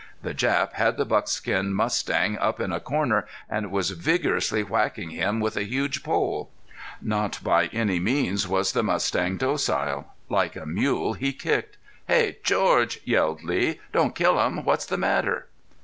The Jap had the buckskin mustang up in a corner and was vigorously whacking him with a huge pole. Not by any means was the mustang docile. Like a mule, he kicked. "Hey George," yelled Lee, "don't kill him! What's the matter?"